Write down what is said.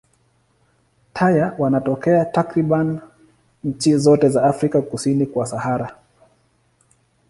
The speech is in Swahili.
Taya wanatokea takriban nchi zote za Afrika kusini kwa Sahara.